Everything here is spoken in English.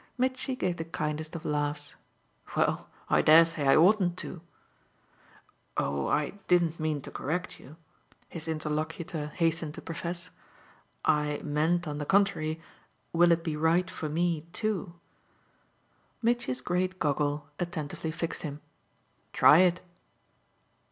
Mitchy gave the kindest of laughs. "Well, I dare say I oughtn't to." "Oh I didn't mean to correct you," his interlocutor hastened to profess; "I meant on the contrary, will it be right for me too?" Mitchy's great goggle attentively fixed him. "Try it."